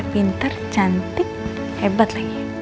pinter cantik hebat lagi